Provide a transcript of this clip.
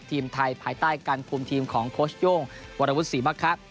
ทีมไทยภายใต้การคุมทีมของโคชโย่งวรวุฒิสิบัตรครับ